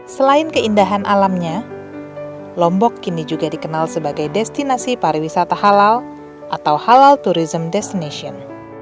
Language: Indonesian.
selain keindahan alamnya lombok kini juga dikenal sebagai destinasi pariwisata halal atau halal tourism destination